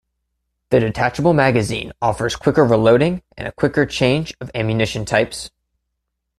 The detachable magazine offers quicker reloading and a quicker change of ammunition types.